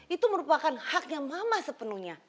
itu merupakan haknya mama sepenuhnya